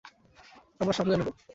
আমরা সামলে নিবো।